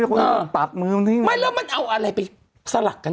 เขาเดินปากเขาพกอยู่แล้ว